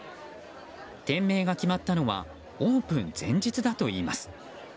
店名が決まったのはオープン前日だといいます。